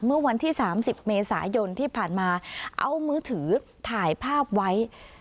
เมื่อวันที่๓๐เมษายนที่ผ่านมาเอามือถือถ่ายภาพไว้